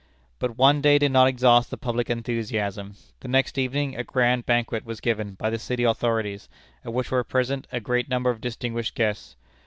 But one day did not exhaust the public enthusiasm. The next evening, a grand banquet was given by the city authorities, at which were present a great number of distinguished guests.